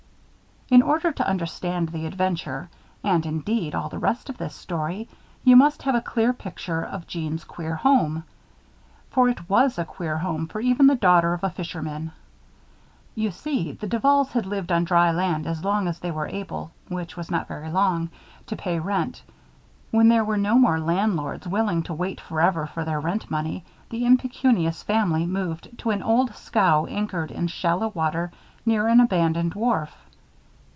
In order to understand the adventure; and, indeed, all the rest of this story, you must have a clear picture of Jeanne's queer home; for it was a queer home for even the daughter of a fisherman. You see, the Duvals had lived on dry land as long as they were able (which was not very long) to pay rent. When there were no more landlords willing to wait forever for their rent money, the impecunious family moved to an old scow anchored in shallow water near an abandoned wharf.